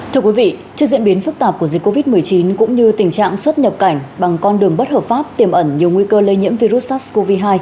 thưa quý vị trước diễn biến phức tạp của dịch covid một mươi chín cũng như tình trạng xuất nhập cảnh bằng con đường bất hợp pháp tiềm ẩn nhiều nguy cơ lây nhiễm virus sars cov hai